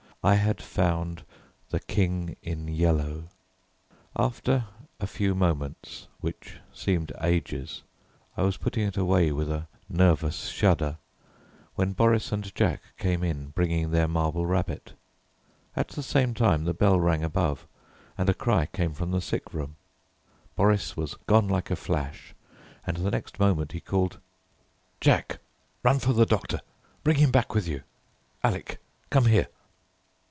I had found The King in Yellow. After a few moments, which seemed ages, I was putting it away with a nervous shudder, when Boris and Jack came in bringing their marble rabbit. At the same time the bell rang above, and a cry came from the sick room. Boris was gone like a flash, and the next moment he called, "Jack, run for the doctor; bring him back with you. Alec, come here."